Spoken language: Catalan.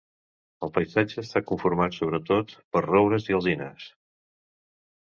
El paisatge està conformat sobretot per roures i alzines.